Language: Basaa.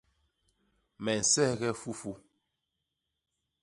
Me nseghe fufu